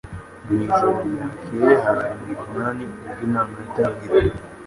Mu ijoro ryakeye hari mu munani ubwo inama yatangiraga.